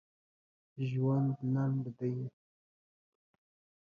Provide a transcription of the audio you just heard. ژوند لنډ دی.